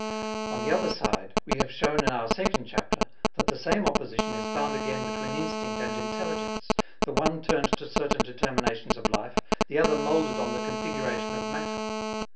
On the other side, we have shown in our second chapter that the same opposition is found again between instinct and intelligence, the one turned to certain determinations of life, the other molded on the configuration of matter.